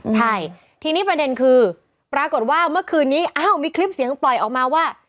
ใช่ทีนี้ประเด็นคือปรากฏว่าเมื่อคืนนี้อ้าวมีคลิปเสียงปล่อยออกมาว่า